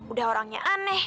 udah orangnya aneh